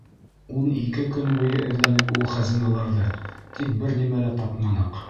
Ун ике көн буйы эҙләнек ул хазиналарҙы, тик бер нимә лә тапманыҡ.